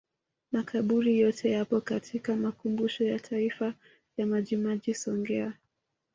Makaburi yote yapo katika Makumbusho ya Taifa ya Majimaji Songea